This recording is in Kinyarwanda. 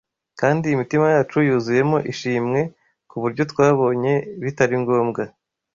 kandi imitima yacu yuzuyemo ishimwe ku buryo twabonye bitari ngombwa